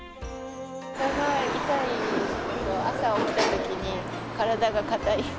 膝が痛いのと、朝起きたときに体が硬い。